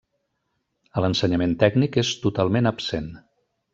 A l'ensenyament tècnic és totalment absent.